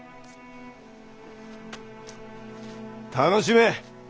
楽しめ！